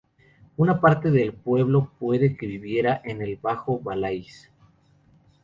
Una parte del pueblo puede que viviera en el bajo Valais.